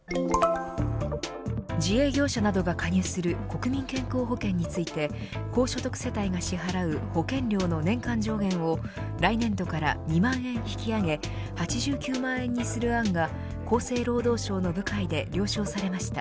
自営業者などが加入する国民健康保険について高所得世帯が支払う保険料の年間上限を来年度から２万円引き上げ８９万円にする案が厚生労働省の部会で了承されました。